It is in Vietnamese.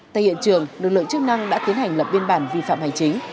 tại hiện trường lực lượng chức năng đã tiến hành lập biên bản vi phạm hành chính